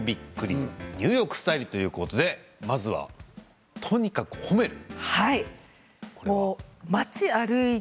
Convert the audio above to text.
直美もびっくりニューヨークスタイルということでまずはとにかく褒める。